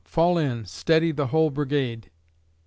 Fall in, Steady the whole brigade!